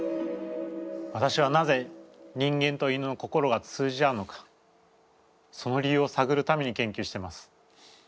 わたしはなぜ人間と犬の心が通じ合うのかその理由をさぐるために研究してます。